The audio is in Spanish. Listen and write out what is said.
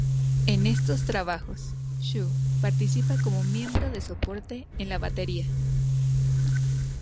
En estos trabajos, Shue participa como miembro de soporte en la batería.